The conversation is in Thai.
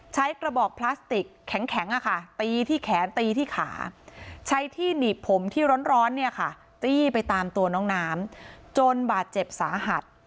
ใช้กระบอกพลาสติกแข็งตีที่แขนตีที่ขาใช้ที่หนีบผมที่ร้อนเนี่ยค่ะตี้ไปตามตัวน้องน้ำจนบาดเจ็บสาหัส